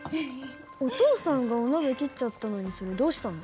お父さんがお鍋切っちゃったのにそれどうしたの？